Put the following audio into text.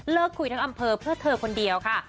คุยทั้งอำเภอเพื่อเธอคนเดียวค่ะ